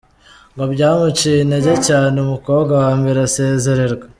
Ngo byamuciye intege cyane umukobwa wa mbere asezererwa.